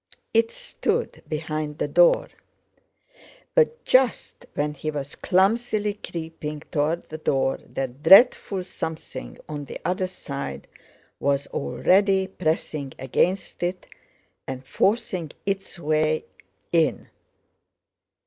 It stood behind the door. But just when he was clumsily creeping toward the door, that dreadful something on the other side was already pressing against it and forcing its way in.